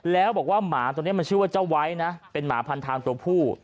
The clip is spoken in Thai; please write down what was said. แล้วบอกว่าหมาตัวนี้มันชื่อว่าเจ้าไว้นะเป็นหมาพันทางตัวผู้